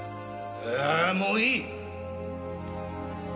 ああもういい！